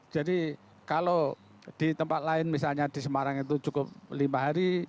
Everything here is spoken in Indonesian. jadi kalau di tempat lain misalnya di semarang itu cukup lima hari